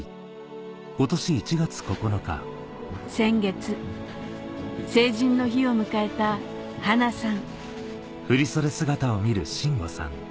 先月成人の日を迎えたはなさん